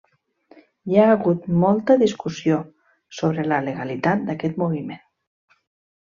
Hi ha hagut molta discussió sobre la legalitat d'aquest moviment.